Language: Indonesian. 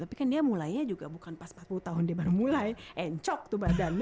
tapi kan dia mulainya juga bukan pas empat puluh tahun dia baru mulai encok tuh badannya